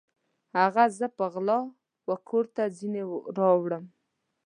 هغه زه په غلا وکور ته ځیني راوړم